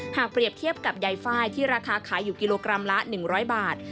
เปรียบเทียบกับใยไฟล์ที่ราคาขายอยู่กิโลกรัมละ๑๐๐บาท